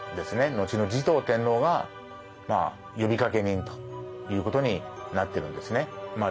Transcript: のちの持統天皇が呼びかけ人ということになってるんですね。